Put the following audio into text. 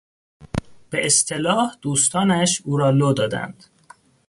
به اصطلاح دوستانش او را لو دادند.